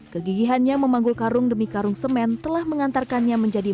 kegigihannya memanggul karung demi karung semen telah mengantarkannya menjadi